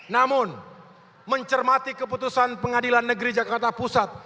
namun mencermati keputusan pengadilan negeri jakarta pusat